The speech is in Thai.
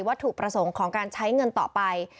ถูกประสงค์ของการใช้เงินต่อไป